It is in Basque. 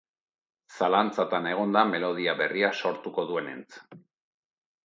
Zalantzatan egon da melodia berria sortuko duenentz.